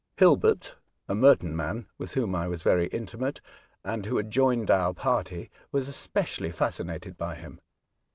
Hilbert, a Merton man, with whom I was very intimate, and who had joined our party, was especially fascinated by him.